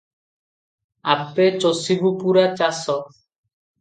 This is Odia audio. "ଆପେ ଚଷିବୁ ପୂରା ଚାଷ